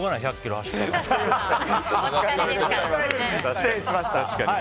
失礼しました。